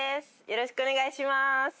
よろしくお願いします